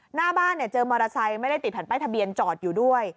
หน้าบ้านเจอมอเตอร์ไซค์ไม่ได้ติดแผ่นป้ายทะเบียนจอดอยู่ด้วย